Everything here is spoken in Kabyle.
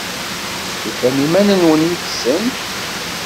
Tufam iman-nwen yid-sent?